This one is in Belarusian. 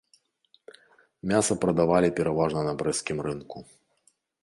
Мяса прадавалі пераважна на брэсцкім рынку.